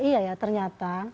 iya ya ternyata